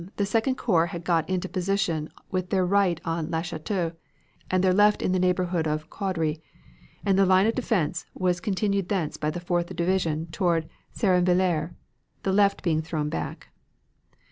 the Second Corps had got into position with their right on Le Cateau, their left in the neighborhood of Caudry, and the line of defense was continued thence by the Fourth Division toward Seranvillers, the left being thrown back.